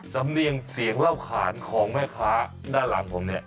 สำเนียงเสียงเล่าขานของแม่ค้าด้านหลังผมเนี่ย